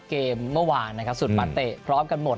เกมเมื่อวานนะครับสุดมาเตะพร้อมกันหมด